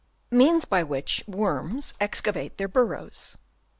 Means by which worms excavate their burrows.